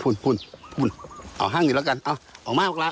เอาห้างอีกแล้วกันเอาออกมามา